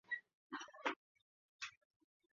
اقلیم بدلون دا ستونزه زیاته کړې ده.